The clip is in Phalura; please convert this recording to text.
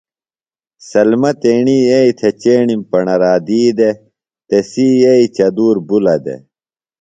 سلمہ تیݨیی یئییۡ تھےۡ چیݨیم پݨرا دی دےۡ تسی ییی چدُور بلہ دے ۔